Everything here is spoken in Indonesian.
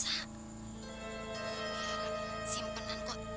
jangan miara simpenan kok